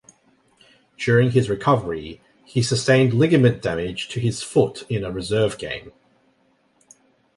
During his recovery, he sustained ligament damage to his foot in a reserve game.